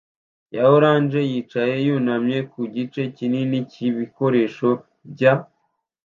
ya orange yicaye yunamye ku gice kinini cyibikoresho bya